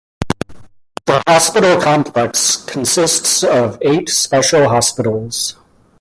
The hospital complex consists of eight special hospitals.